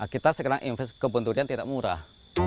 kita sekarang investasi kebun durian tidak murah